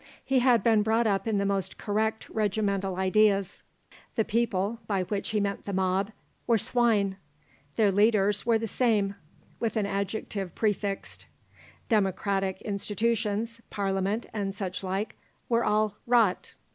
He had been brought up in the most correct regimental ideas: the people (by which he meant the mob) were "swine"; their leaders were the same, with an adjective prefixed; democratic institutions, Parliament, and such like, were all "rot."